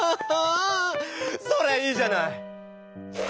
それいいじゃない。